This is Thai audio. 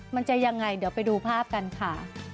มันจะยังไงเดี๋ยวไปดูภาพกันค่ะ